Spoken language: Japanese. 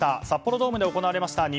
札幌ドームで行われました